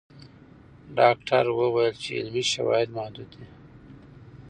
ډاکټره وویل چې علمي شواهد محدود دي.